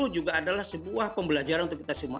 juga adalah sebuah pembelajaran untuk kita simak